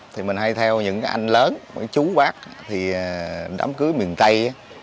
thì mình hay theo những anh lớn chú bác đám cưới miền tây